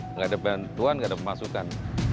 enggak ada bantuan enggak ada pemasukan